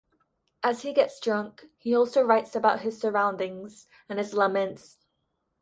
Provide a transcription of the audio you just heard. As he gets drunk, he also writes about his surroundings and his laments.